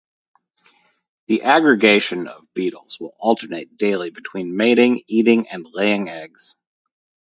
The aggregation of beetles will alternate daily between mating, eating, and laying eggs.